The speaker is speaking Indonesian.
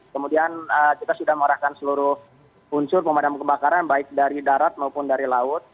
kemudian kita sudah mengarahkan seluruh unsur pemadam kebakaran baik dari darat maupun dari laut